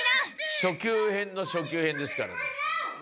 初級編の初級編ですから。